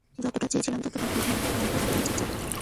যতটা চেয়েছিলাম ততটা কঠিন হয়নি, তবে আমরা সফল তো হয়েছি।